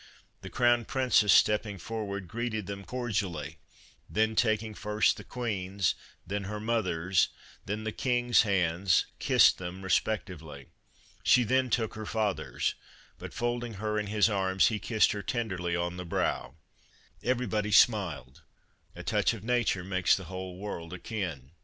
The Crown Princess, stepping forward, greeted them cordially, then taking first the Queen's, then her mother's, then the King's, hands, kissed them respectively. She then took her father's, but folding her in his arms he kissed her tenderly on the brow. Everybody smiled — a touch of nature makes the whole world akin.